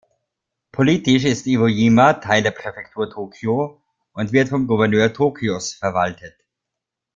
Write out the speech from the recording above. Politisch ist Iwojima Teil der Präfektur Tokio und wird vom Gouverneur Tokios verwaltet.